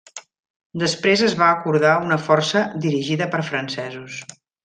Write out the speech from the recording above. Després es va acordar una força dirigida per francesos.